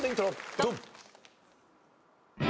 ドン！